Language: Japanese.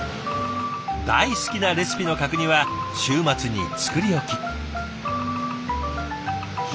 大好きなレシピの角煮は週末に作り置き。